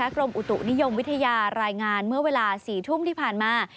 กรมอุตุนิยมวิทยารายงานเมื่อเวลา๔ทุ่มที่ผ่านมา